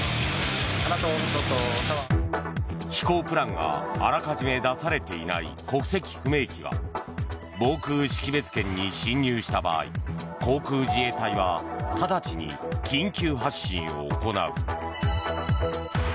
飛行プランが、あらかじめ出されていない国籍不明機が防空識別圏に侵入した場合航空自衛隊は直ちに緊急発進を行う。